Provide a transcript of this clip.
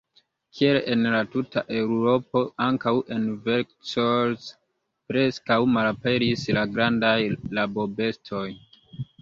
Kiel en la tuta Eŭropo, ankaŭ en Vercors preskaŭ malaperis la grandaj rabobestoj.